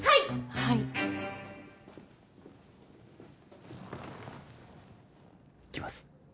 はいいきます